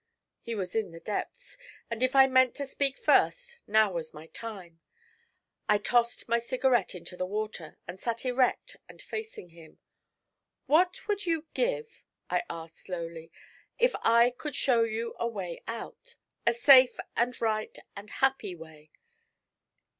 He was in the depths, and if I meant to speak first, now was my time. I tossed my cigarette into the water, and sat erect and facing him. 'What would you give,' I asked slowly, 'if I could show you a way out a safe and right and happy way?'